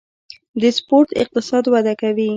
د سپورت اقتصاد وده کوي